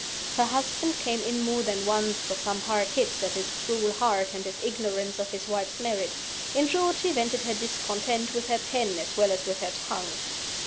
Her husband came in more than once for some hard hits at his cruel heart and his ignorance of his wife's merits. In short, she vented her discontent with her pen as well as with her tongue.